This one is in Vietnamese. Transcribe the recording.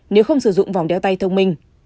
nếu không sử dụng vòng đeo tay thông minh